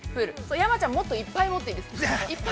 山ちゃん、もっといっぱい持っていいです。